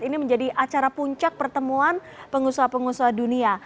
ini menjadi acara puncak pertemuan pengusaha pengusaha dunia